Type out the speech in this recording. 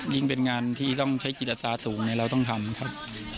ยิ่งเป็นงานที่ต้องใช้กิจอัตรศาสตร์สูงไหมเราต้องทำครับครับ